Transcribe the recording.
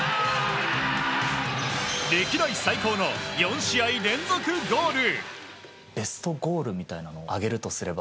歴代最高の４試合連続ゴール。